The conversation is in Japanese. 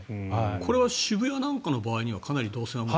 これは渋谷なんかの場合はかなり動線は？